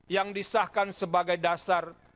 yang disahkan sebagai dasar